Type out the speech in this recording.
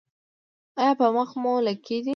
ایا په مخ مو لکې دي؟